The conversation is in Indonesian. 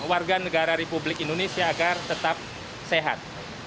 warga negara republik indonesia agar tetap sehat